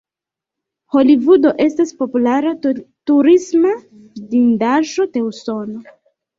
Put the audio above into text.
Holivudo estas populara turisma vidindaĵo de Usono.